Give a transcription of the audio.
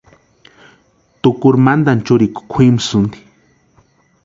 Tukuru mantani chúrikwa kwʼimusïnti.